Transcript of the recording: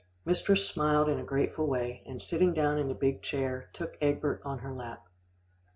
Mistress smiled in a grateful way, and sitting down in the big chair, took Egbert on her lap.